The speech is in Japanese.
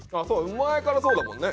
前からそうだもんね。